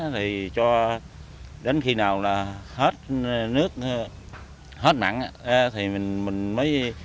thì cho đến khi nào là hết nước hết mặn thì mình mới cho nước